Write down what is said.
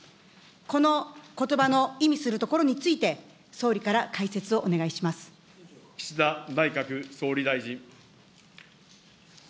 このことばの意味するところについて、総理から解説をお願いしま岸田内閣総理大臣。